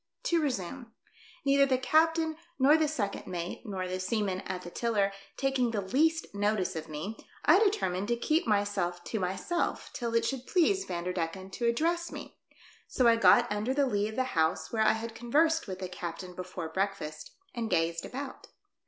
To resume. Neither the captain, nor the second mate, nor the seaman at the tiller, taking the least notice of me, I determined to keep myself to myself till it should please Vanderdecken to address me ; so I got under the lee of the house where I had conversed with the captain before breakfast, and gazed about.